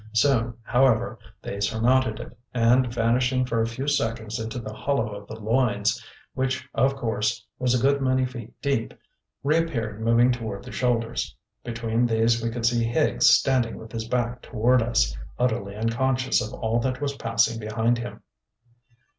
Soon, however, they surmounted it, and vanishing for a few seconds into the hollow of the loins, which, of course, was a good many feet deep, re appeared moving toward the shoulders. Between these we could see Higgs standing with his back toward us, utterly unconscious of all that was passing behind him.